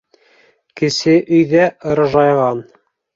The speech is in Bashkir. Кесе өйҙә ыржайған.